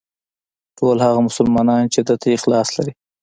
ټول هغه مسلمانان چې ده ته اخلاص لري.